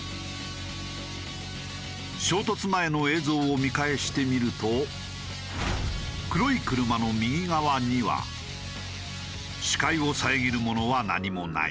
衝突前の映像を見返してみると黒い車の右側には視界を遮るものは何もない。